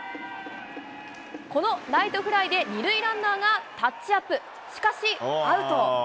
このライトフライで２塁ランナーがタッチアップ、しかしアウト。